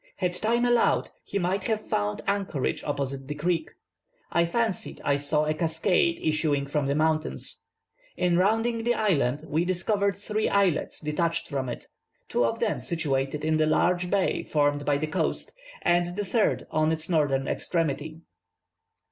Had time allowed, he might have found anchorage opposite the creek. I fancied I saw a cascade issuing from the mountains. In rounding the island we discovered three islets detached from it, two of them situated in the large bay formed by the coast, and the third on its northern extremity.